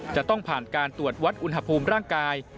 จะต้องผ่านการตรวจวัดอุณหภูมิร่างกาย